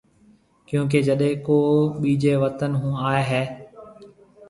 ڪيونڪہ جڏي ڪو ٻيجي وطن هون آئي هيَ۔